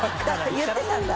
言ってたんだ。